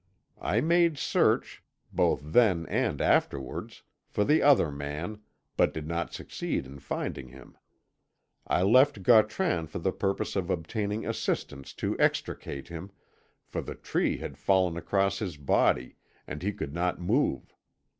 I made search, both then and afterwards, for the other man, but did not succeed in finding him. I left Gautran for the purpose of obtaining assistance to extricate him, for the tree had fallen across his body, and he could not move.